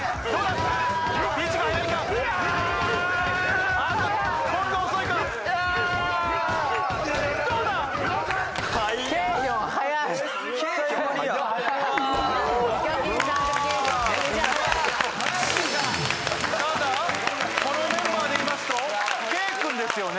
ただこのメンバーでいいますとＫ君ですよね？